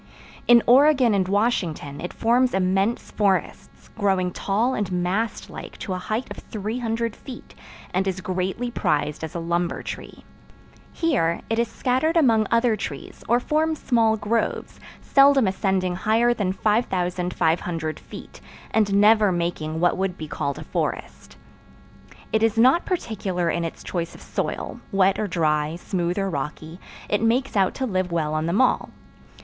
In Oregon and Washington it forms immense forests, growing tall and mast like to a height of 300 feet, and is greatly prized as a lumber tree. Here it is scattered among other trees, or forms small groves, seldom ascending higher than 5500 feet, and never making what would be called a forest. It is not particular in its choice of soil: wet or dry, smooth or rocky, it makes out to live well on them all.